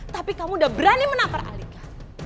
tapi kamu udah berani menapar alika